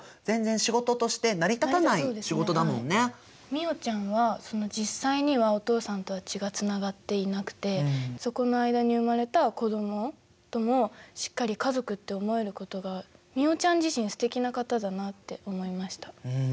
美桜ちゃんは実際にはお父さんとは血がつながっていなくてそこの間に生まれた子どもともしっかり家族って思えることが美桜ちゃん自身すてきな方だなって思いました。